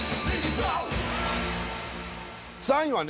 ３位はね